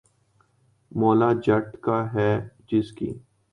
’مولا جٹ‘ کا ہے جس کی